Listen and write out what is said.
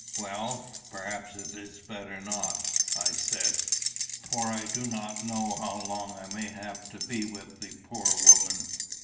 "Well, perhaps it is better not," I said; "for I do not know how long I may have to be with the poor woman.